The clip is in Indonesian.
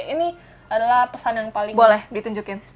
ini adalah pesan yang paling boleh ditunjukin